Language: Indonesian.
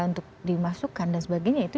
untuk dimasukkan dan sebagainya itu